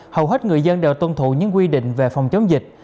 hầu hết người dân đều tuân thủ những quy định về phòng chống dịch